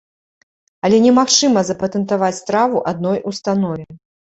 Але немагчыма запатэнтаваць страву адной установе.